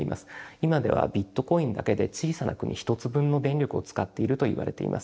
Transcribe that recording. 今ではビットコインだけで小さな国１つ分の電力を使っているといわれています。